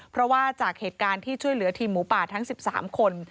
เพราะว่าจากเหตุการณ์ที่ช่วยเหลือทีมหมูป่าทั้ง๑๓คน